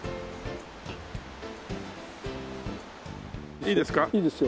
いいですよ。